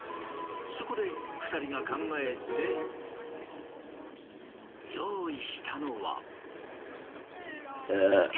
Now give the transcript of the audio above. そこで２人が考えて用意したのは。